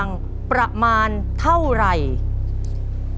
น้องป๋องเลือกเรื่องระยะทางให้พี่เอื้อหนุนขึ้นมาต่อชีวิต